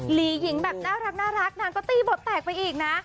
ลีหญิงแบบน่ารักนางก็ตีบทแตกไปอีกนะ